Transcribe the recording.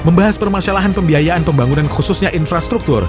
membahas permasalahan pembiayaan pembangunan khususnya infrastruktur